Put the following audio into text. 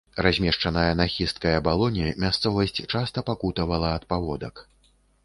Размешчаная на хісткай абалоне, мясцовасць часта пакутавала ад паводак.